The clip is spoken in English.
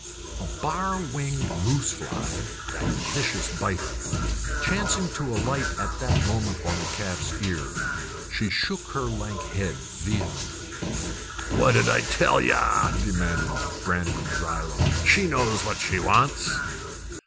A bar winged moose fly, that vicious biter, chancing to alight at that moment on the calf's ear, she shook her lank head vehemently. "What did I tell ye?" demanded Brannigan dryly. "She knows what she wants!"